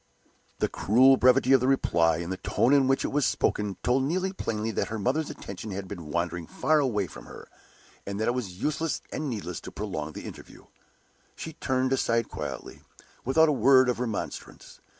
The cruel brevity of the reply, and the tone in which it was spoken, told Neelie plainly that her mother's attention had been wandering far away from her, and that it was useless and needless to prolong the interview. She turned aside quietly, without a word of remonstrance.